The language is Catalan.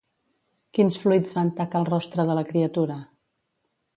Quins fluids van tacar el rostre de la criatura?